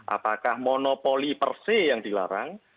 apakah monopoli per se yang dilarang